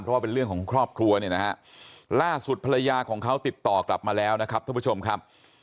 เพราะว่าเป็นเรื่องของครอบครัวเนี่ยนะฮะล่าสุดภรรยาของเขาติดต่อกลับมาแล้วนะครับท่านผู้ชมครับ